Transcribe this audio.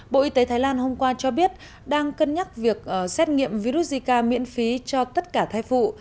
bộ y tế thái lan hôm qua cho biết đang cân nhắc việc xét nghiệm virus zika miễn phí cho tất cả thai phụ